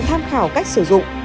cần tham khảo cách sử dụng